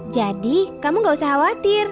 jadi kamu gak usah khawatir